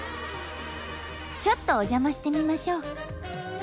ちょっとお邪魔してみましょう。